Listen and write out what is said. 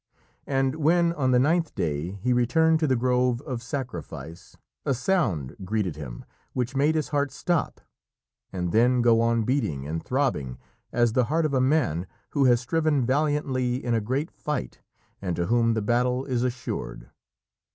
And when, on the ninth day, he returned to the grove of sacrifice, a sound greeted him which made his heart stop and then go on beating and throbbing as the heart of a man who has striven valiantly in a great fight and to whom the battle is assured.